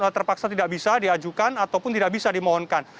terpaksa tidak bisa diajukan ataupun tidak bisa dimohonkan